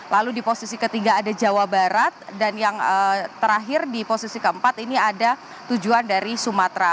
lalu di posisi ketiga ada jawa barat dan yang terakhir di posisi keempat ini ada tujuan dari sumatera